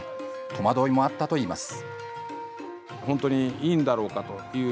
戸惑いもあったといいます。